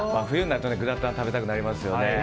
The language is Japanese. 冬になるとグラタン食べたくなりますよね。